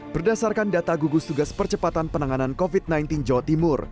berdasarkan data gugus tugas percepatan penanganan covid sembilan belas jawa timur